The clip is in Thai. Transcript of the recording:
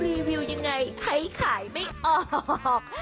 รีวิวยังไงใครขายไม่ออก